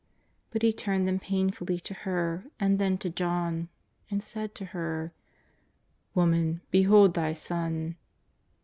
But He turned them painfully to her and then to John, and said to her: " Woman, behold thy son."